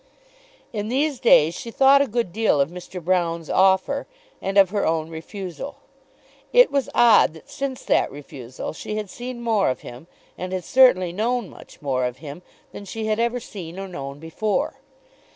In these days she thought a good deal of Mr. Broune's offer, and of her own refusal. It was odd that since that refusal she had seen more of him, and had certainly known much more of him than she had ever seen or known before.